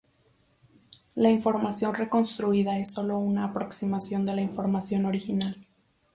La información reconstruida es solo una aproximación de la información original.